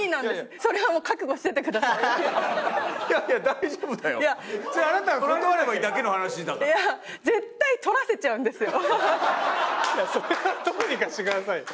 それはどうにかしてくださいよ！